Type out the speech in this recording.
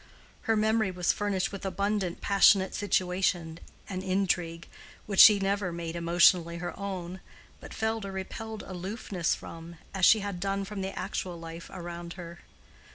Her memory was furnished with abundant passionate situation and intrigue, which she never made emotionally her own, but felt a repelled aloofness from, as she had done from the actual life around her.